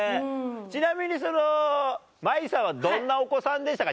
ちなみにその茉愛さんはどんなお子さんでしたか？